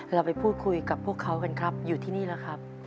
เราไปพูดคุยกับพวกเขากันครับอยู่ที่นี่แล้วครับ